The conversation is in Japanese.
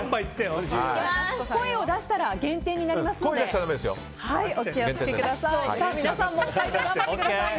声を出したら減点になりますのでお気を付けください。